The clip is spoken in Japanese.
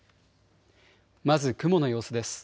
まず雲の様子です。